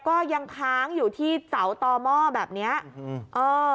ก็ยังค้างอยู่ที่เสาต่อหม้อแบบเนี้ยอืมเออ